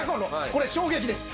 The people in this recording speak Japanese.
これ衝撃です。